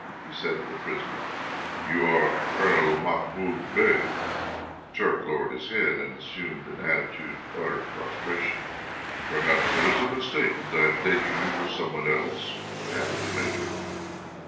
he said to the prisoner. "You are Colonel Mahmoud Bey?" The Turk lowered his head, and assumed an attitude of utter prostration. "Perhaps there is a mistake, and I am taking you for some one else?" added the Major.